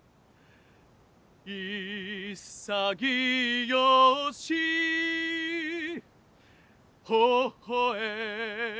「いさぎよしほほえむ希望」